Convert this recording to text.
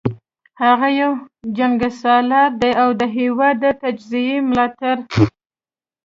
هغه یو جنګسالار دی او د هیواد د تجزیې ملاتړی